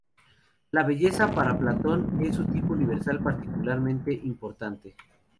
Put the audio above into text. La belleza para Platón es un tipo de universal particularmente importante.